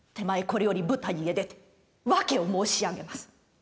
これより舞台へ出て訳を申し上げます。